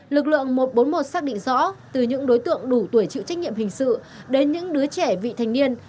lực lượng một trăm bốn mươi một xác định rõ từ những đối tượng đủ tuổi chịu trách nhiệm hình sự đến những đứa trẻ vị thành niên